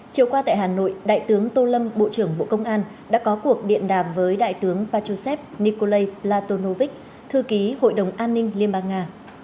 chiều qua tại hà nội đại tướng tô lâm bộ trưởng bộ công an đã có cuộc điện đàm với đại tướng pachusev nikole latonovic thư ký hội đồng an ninh liên bang nga